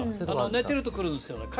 寝てると来るんですけどね